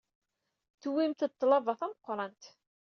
Tuwyemt-d ḍḍlaba d tameqrant.